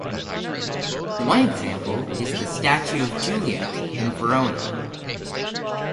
One example is the Statue of Juliet in Verona.